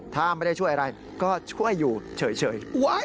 ถ้าไม่ได้ช่วยอะไรก็ช่วยอยู่เฉย